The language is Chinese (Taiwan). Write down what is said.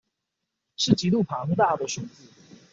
是極度龐大的數字